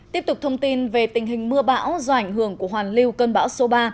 tiếp tục thông tin về tình hình mưa bão do ảnh hưởng của hoàn lưu cơn bão số ba